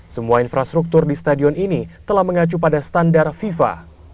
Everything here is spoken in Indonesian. semua infrastruktur di stadion ini telah mengacu pada standar fifa